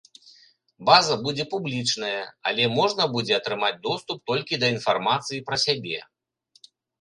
База будзе публічная, але можна будзе атрымаць доступ толькі да інфармацыі пра сябе.